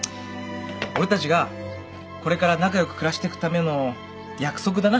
俺たちがこれから仲良く暮らしてくための約束だな。